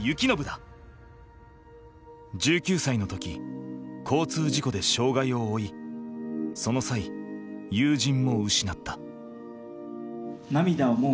１９歳の時交通事故で障害を負いその際友人も失った。